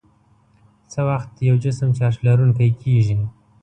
څه وخت یو جسم چارج لرونکی کیږي؟